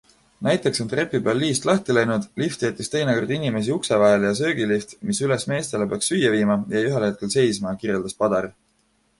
Näiteks on trepi peal liist lahti läinud, lift jättis teinekord inimesi ukse vahele ja söögilift, mis üles meestele peaks süüa viima, jäi ühel hetkel seisma, kirjeldas Padar.